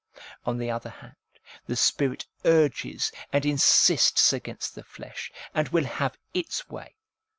On the other hand, the spirit urges and insists against the flesh, and will have its way.